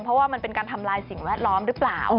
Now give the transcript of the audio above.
เพราะว่ามันเป็นการทำลายสิ่งแวดล้อมหรือเปล่า